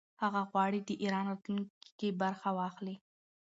هغه غواړي د ایران راتلونکې کې برخه ولري.